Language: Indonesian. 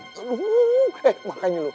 aduh eh makanya lu